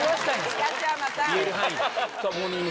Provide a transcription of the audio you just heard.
東山さん！